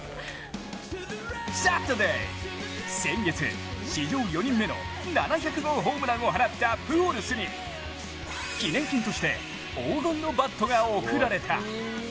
サタデー、先月史上４人目の７００号ホームランを放ったプホルスに記念品として黄金のバットが送られた。